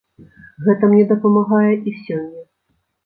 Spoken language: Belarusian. Гэта мне дапамагае і сёння.